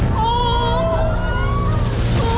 โอ้โฮทุกฤทธิ์โอ้โฮ